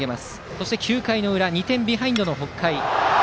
そして９回裏２点ビハインドの北海。